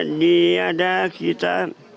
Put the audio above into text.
ini ada kita